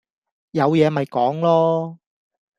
有嘢咪講囉